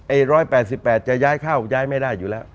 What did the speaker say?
๑๘๘จะย้ายเข้าย้ายไม่ได้อยู่แล้ว